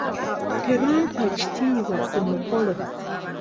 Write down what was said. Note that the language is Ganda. Tebampa kitiibwa ku mukolo.